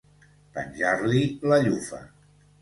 Penjar-li la llufa.